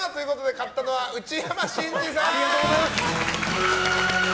勝ったのは内山信二さん！